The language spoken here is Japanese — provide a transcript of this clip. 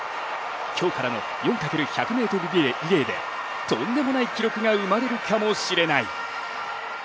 今日からの４×１００ｍリレーで、とんでもない記録が生まれるかもしれない。